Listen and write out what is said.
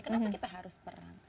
kenapa kita harus perang